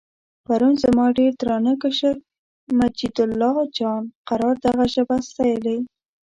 پرون زما ډېر درانه کشر مجیدالله جان قرار دغه ژبه ستایلې.